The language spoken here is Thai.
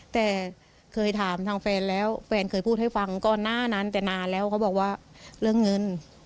แต่คือถามทางแฟนแล้วควรต่อให้ฟังก่อนหน้าเอาเงิน